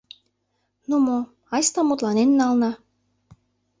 — Ну мо, айста мутланен налына!